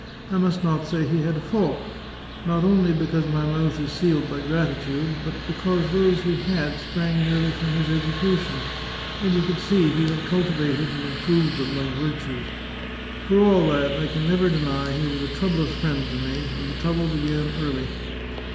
I must not say he had a fault, not only because my mouth is sealed by gratitude, but because those he had sprang merely from his education, and you could see he had cultivated and improved them like virtues. For all that, I can never deny he was a troublous friend to me, and the trouble began early.